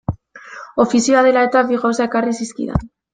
Ofizioa dela-eta, bi gauza ekarri zizkidan.